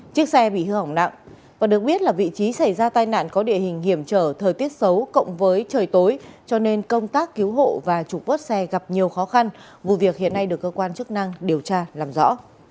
chiếc xe bị hư hỏng nặng và được biết là vị trí xảy ra tai nạn có địa hình hiểm trở thời tiết xấu cộng với trời tối cho nên công tác cứu hộ và trục vớt xe gặp nhiều khó khăn vụ việc hiện nay được cơ quan chức năng điều tra làm rõ